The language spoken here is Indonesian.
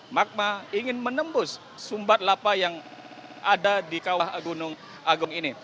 magma ingin menembus sumbat lapa yang ada di kawah gunung agung ini